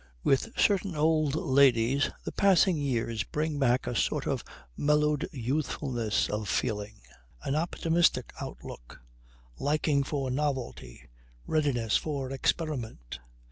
With certain old ladies the passing years bring back a sort of mellowed youthfulness of feeling, an optimistic outlook, liking for novelty, readiness for experiment.